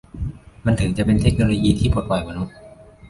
มันถึงจะเป็นเทคโนโลยีที่ปลดปล่อยมนุษย์